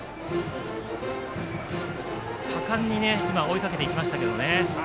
果敢に追いかけていきましたけどね。